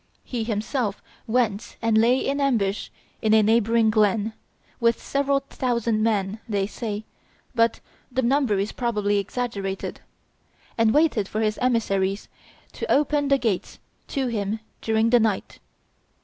He himself went and lay in ambush in a neighboring glen, with seven thousand men, they say, but the number is probably exaggerated, and waited for his emissaries to open the gates to him during the night.